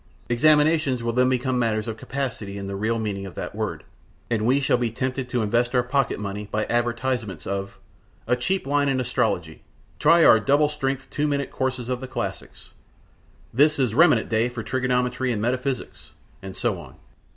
Examinations will then become matters of capacity in the real meaning of that word, and we shall be tempted to invest our pocket money by advertisements of "A cheap line in Astrology," "Try our double strength, two minute course of Classics," "This is remnant day for Trigonometry and Metaphysics," and so on.